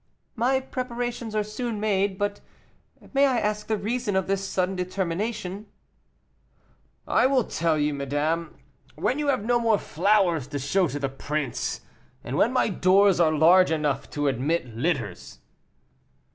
"My preparations are soon made, but may I ask the reason of this sudden determination?" "I will tell you, madame, when you have no more flowers to show to the prince, and when my doors are large enough to admit litters."